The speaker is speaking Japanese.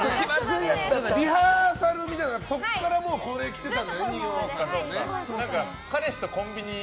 リハーサルあってそこからこれを着てたんだよね。